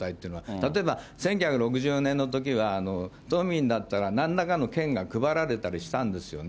例えば１９６４年のときは、都民だったらなんらかの券が配られたりしたんですよね。